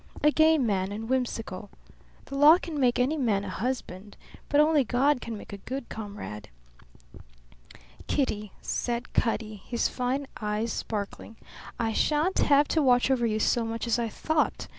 A gay man and whimsical. The law can make any man a husband, but only God can make a good comrade." "Kitty," said Cutty, his fine eyes sparkling, "I shan't have to watch over you so much as I thought.